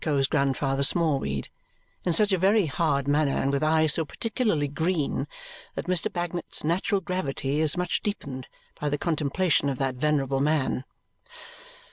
echoes Grandfather Smallweed. In such a very hard manner and with eyes so particularly green that Mr. Bagnet's natural gravity is much deepened by the contemplation of that venerable man.